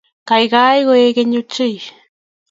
Kyagay koek keny ochei